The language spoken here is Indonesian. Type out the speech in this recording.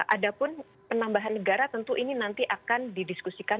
ada pun penambahan negara tentu ini nanti akan didiskusikan